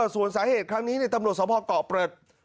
ส่วนสาเหตุครั้งนี้ตำรวจสภเกาะเปลือก